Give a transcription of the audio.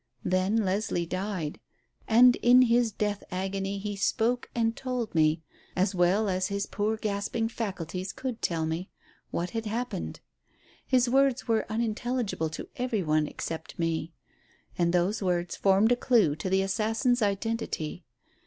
Then Leslie died, and in his death agony he spoke and told me, as well as his poor gasping faculties could tell me, what had happened. His words were unintelligible to every one except me. And those words formed a clue to the assassin's identity.